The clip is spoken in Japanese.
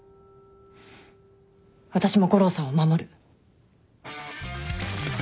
私も悟郎さんを守る。